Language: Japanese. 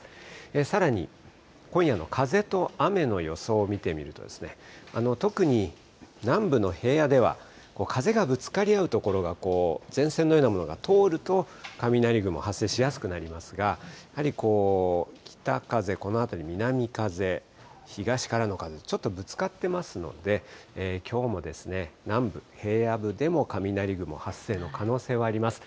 さらに今夜の風と雨の予想を見てみると、特に南部の沿岸では風がぶつかり合う所が前線のようなものが通ると、雷雲発生しやすくなりますが、やはり北風、この辺り南風、東からの風、ちょっとぶつかってますので、きょうも南部、平野部でも雷雲発生の可能性はあります。